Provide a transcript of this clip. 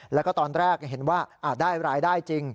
แล้วก็ตอนแรกเห็นว่าได้รายได้จริง